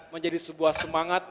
menjadi sebuah semangat